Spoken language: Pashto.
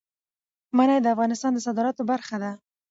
منی د افغانستان د صادراتو برخه ده.